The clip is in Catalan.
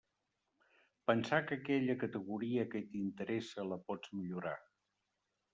Pensar que aquella categoria que t'interessa la pots millorar.